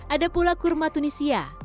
ada pula kurma tunisia